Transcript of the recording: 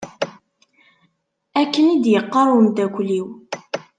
Akken i d-yeqqar umeddakkel-iw.